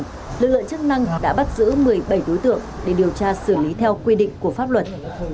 tuy nhiên lực lượng chức năng đã bắt giữ một mươi bảy đối tượng để điều tra xử lý theo quy định của pháp luật